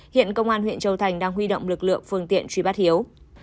hiện công an huyện châu thành đang huy động lực lượng phương tiện truy bắt hiếu